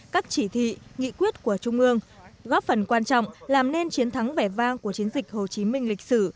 các chỉ thị nghị quyết của trung ương góp phần quan trọng làm nên chiến thắng vẻ vang của chiến dịch hồ chí minh lịch sử